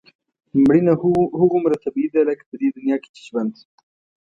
مړینه هغومره طبیعي ده لکه په دې دنیا کې چې ژوند.